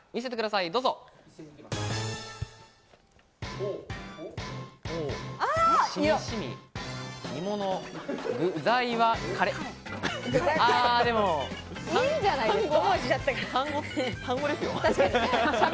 いいんじゃないですか？